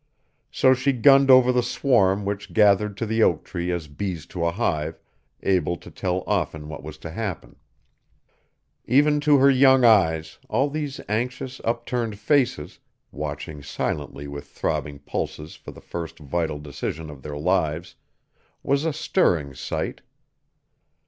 So she gunned over the swarm which gathered to the oak tree as bees to a hive, able to tell often what was to happen. Even to her young eyes all these anxious, upturned faces, watching silently with throbbing pulses for this first vital decision of their lives, was a stirring sight.